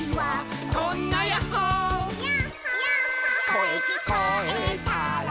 「こえきこえたら」